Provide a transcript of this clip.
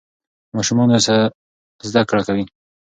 ماشومان اوس زده کړه کوي.